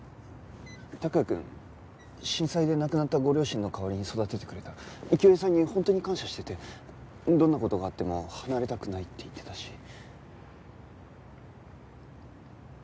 託也くん震災で亡くなったご両親の代わりに育ててくれた清江さんに本当に感謝しててどんな事があっても離れたくないって言ってたし。